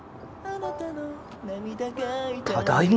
ただいま？